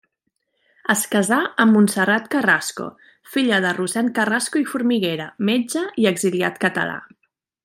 Es casà amb Montserrat Carrasco, filla de Rossend Carrasco i Formiguera, metge i exiliat català.